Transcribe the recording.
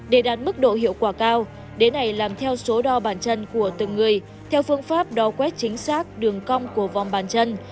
để đạt mức độ hiệu quả cao đến này làm theo số đo bản chân của từng người theo phương pháp đo quét chính xác đường cong của vòng bàn chân